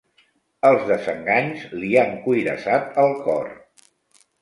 Els desenganys li han cuirassat el cor.